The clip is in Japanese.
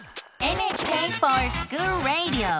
「ＮＨＫｆｏｒＳｃｈｏｏｌＲａｄｉｏ」。